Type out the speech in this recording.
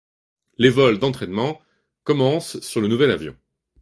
Les vols d'entraînement commencent sur le nouvel avion.